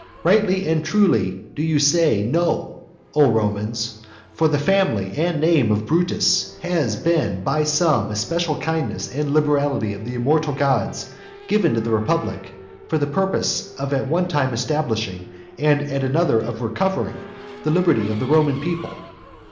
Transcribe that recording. Rightly and truly do you say No, O Romans. For the family and name of Brutus has been by some especial kindness and liberality of the immortal gods given to the republic, for the purpose of at one time establishing, and at another of recovering, the liberty of the Roman people.